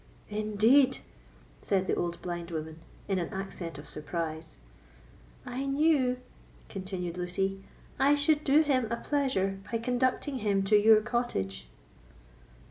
"Indeed!" said the old blind woman, in an accent of surprise. "I knew," continued Lucy, "I should do him a pleasure by conducting him to your cottage."